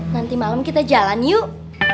nanti malam kita jalan yuk